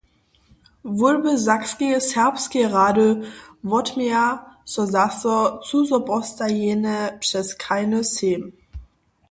Wólby sakskeje serbskeje rady wotměja so zaso cuzopostajene přez krajny sejm.